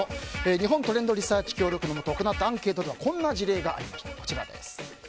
日本トレンドリサーチ協力のもと行ったアンケートではこんな事例がありました。